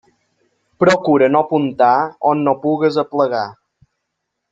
Procura no apuntar on no pugues aplegar.